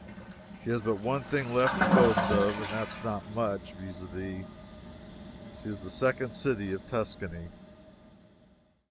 She has but one thing left to boast of, and that is not much, viz: she is the second city of Tuscany.